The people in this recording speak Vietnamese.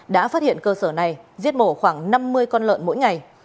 đã phát hiện cơ sở này giết mổ khoảng năm mươi con lợn mỗi ngày